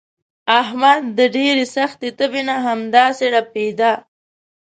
احمد د ډېرې سختې تبې نه همداسې ړپېدا.